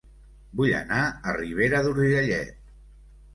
Vull anar a Ribera d'Urgellet